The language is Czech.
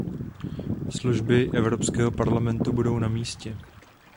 Služby Evropského parlamentu budou na místě.